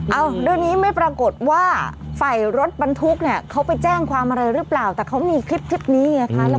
เรื่องนี้ไม่ปรากฏว่าฝ่ายรถบรรทุกเนี่ยเขาไปแจ้งความอะไรหรือเปล่าแต่เขามีคลิปนี้ไงคะ